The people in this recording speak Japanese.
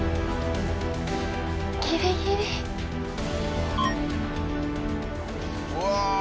ギリギリ。うわ！